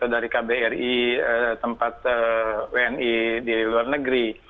dari kbri tempat wni di luar negeri